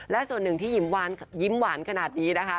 และส่วนหนึ่งที่ยิ้มหวานขนาดนี้นะคะ